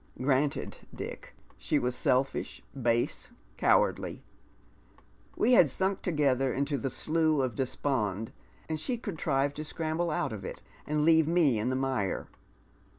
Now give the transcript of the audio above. "Granted. Dick. She was selfish, base, cowardly. We had Bunk together into the slough of despond, and she contrived to scramble out of it and leave me in the mire.